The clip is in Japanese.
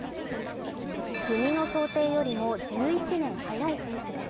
国の想定よりも１１年早いペースです。